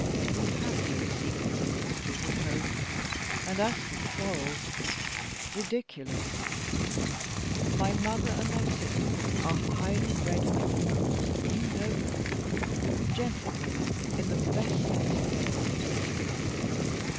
We have no secrets and mysteries at home. And as for quarrels ridiculous! My mother and my sisters are highly bred women (you know them); gentlewomen, in the best sense of the word.